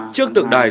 trước tượng đài